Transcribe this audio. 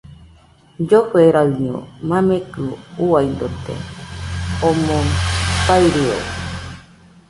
Llofueraɨño mamekɨ uiadote, omɨ farió